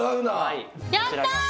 やった！